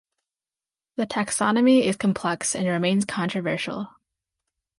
The taxonomy is complex and remains controversial.